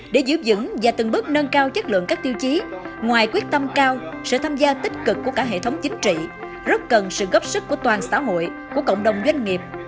để giữ dững và từng bước nâng cao chất lượng các tiêu chí ngoài quyết tâm cao sự tham gia tích cực của cả hệ thống chính trị rất cần sự góp sức của toàn xã hội của cộng đồng doanh nghiệp